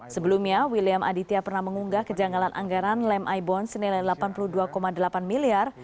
sebelumnya william aditya pernah mengunggah kejanggalan anggaran lem ibon senilai delapan puluh dua delapan miliar